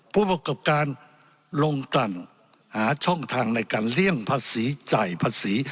ผู้ประกอบการลงกลั่นหาช่องทางในการเลี่ยงภาษีจ่ายภาษี